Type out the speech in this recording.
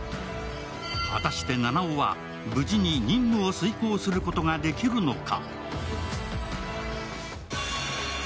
果たして、七尾は無事に任務を遂行することができるのか？